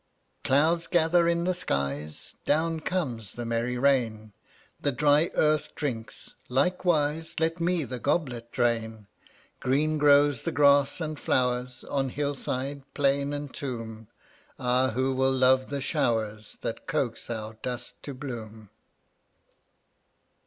156 Clouds gather in the skies, Down comes the merry rain ; The dry earth drinks; likewise Let me the goblet drain. Green grow the grass and flowers On hillside, plain and tomb; Ah, who will love the showers That coax our dust to bloom